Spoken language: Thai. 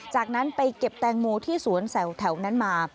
จากนั้นไปเก็บแตงโมที่สวนแสวแถวนั้นมา